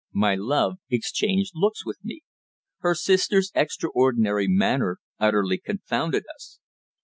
My love exchanged looks with me. Her sister's extraordinary manner utterly confounded us.